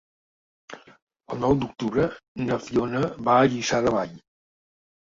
El nou d'octubre na Fiona va a Lliçà de Vall.